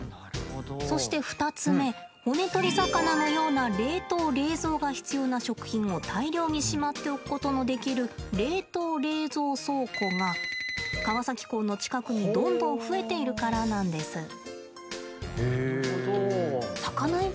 そして２つ目骨取り魚のような冷凍冷蔵が必要な食品を大量にしまっておくことのできる冷凍冷蔵倉庫が川崎港の近くにどんどん増えているからなんです。